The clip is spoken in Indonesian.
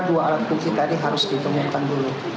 dua alat bukti tadi harus ditemukan dulu